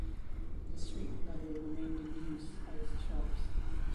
The street level remained in use as shops.